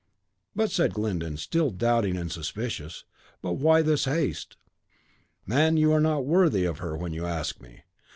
"But," said Glyndon, still doubting and suspicious, "but why this haste?" "Man, you are not worthy of her when you ask me.